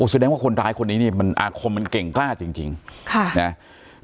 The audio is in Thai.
แสดงว่าคนร้ายคนนี้นี่มันอาคมมันเก่งกล้าจริงจริงค่ะนะ